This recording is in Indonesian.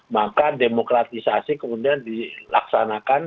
maka demokratisasi kemudian dilaksanakan